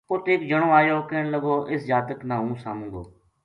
اُت ایک جنو آیو کہن لگو اس جاتک نا ہوں ساموں گو